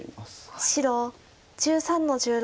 白１３の十六。